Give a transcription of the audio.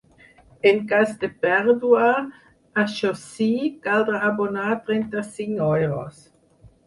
En cas de pèrdua, això sí, caldrà abonar trenta-cinc euros.